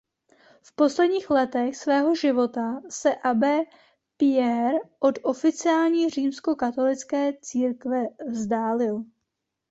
V posledních letech svého života se abbé Pierre od oficiální římskokatolické církve vzdálil.